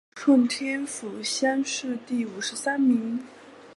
顺天府乡试第五十三名。